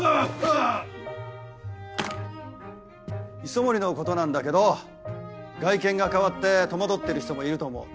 磯森のことなんだけど外見が変わって戸惑ってる人もいると思う。